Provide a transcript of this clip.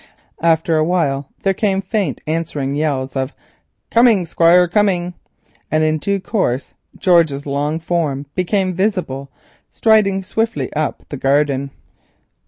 After a while there came faint answering yells of "Coming, Squire, coming," and in due course George's long form became visible, striding swiftly up the garden.